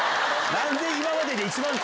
何で。